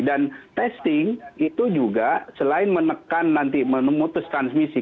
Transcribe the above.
dan testing itu juga selain menekan nanti memutus transmisi